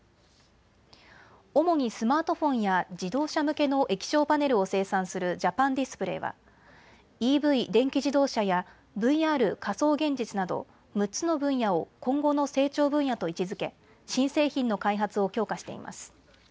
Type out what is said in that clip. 主にスマートフォンや自動車向けの液晶パネルを生産するジャパンディスプレイはＥＶ・電気自動車やＶＲ・仮想現実など６つの分野を今後の成長分野と位置づけ新製品の開発を強化しています。